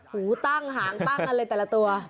หูตั้งหางตั้งกันเลยแต่ละตัว